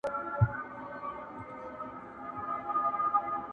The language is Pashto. زاړه به ځي نوي نسلونه راځي،